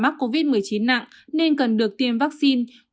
có nguy cơ cao và mắc covid một mươi chín nặng nên cần được tiêm vaccine